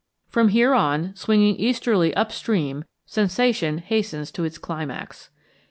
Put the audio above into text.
From here on, swinging easterly up stream, sensation hastens to its climax.